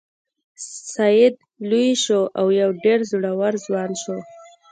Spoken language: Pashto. سید لوی شو او یو ډیر زړور ځوان شو.